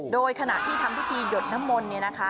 โดยขณะที่ทำพิธีหยดน้ำมนต์เนี่ยนะคะ